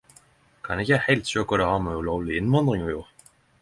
Kan ikkje heilt sjå kva det har med ulovleg invandring å gjer.